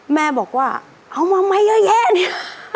แม่บอกว่าเอามาไหมเยอะแยะเนี่ย